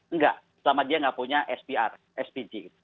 enggak selama dia tidak punya spj